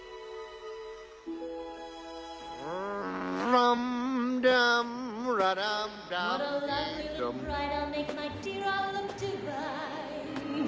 ランランラランランランラン